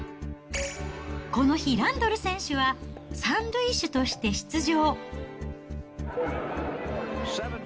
この日、ランドル選手は３塁手として出場。